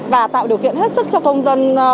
và tạo điều kiện hết sức cho công dân